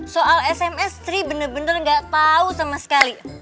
soal sms sri bener bener gak tau sama sekali